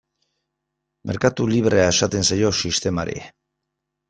Merkatu librea esaten zaio sistemari.